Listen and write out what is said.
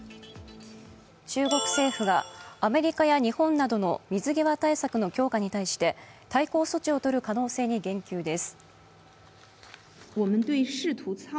中国政府がアメリカや日本などの水際対策の強化に対して対抗措置をとる可能性に言及です。